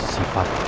sifat roda emas yang